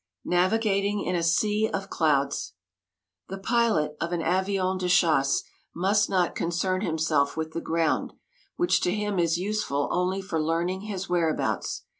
"NAVIGATING" IN A SEA OF CLOUDS The pilot of an avion de chasse must not concern himself with the ground, which to him is useful only for learning his whereabouts.